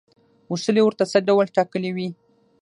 اصول یې ورته څه ډول ټاکلي وي.